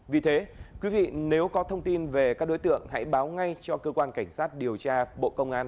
vì thế quý vị nếu có thông tin về các đối tượng hãy báo ngay cho cơ quan cảnh sát điều tra bộ công an